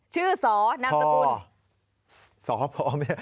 ชื่อสนามสกุล